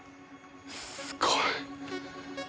すごい。